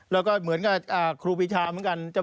แล้วก็เหมือนกับครูปีชาเหมือนกัน